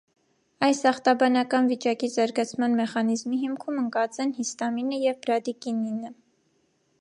Այս ախտաբանական վիճակի զարգացման մեխանիզմի հիմքում ընկած են հիստամինը և բրադիկինինը։